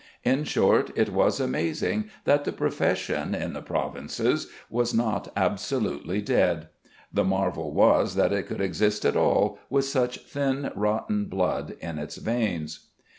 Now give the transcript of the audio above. In short, it was amazing that the profession, in the provinces, was not absolutely dead. The marvel was that it could exist at all with such thin, rotten blood in its veins.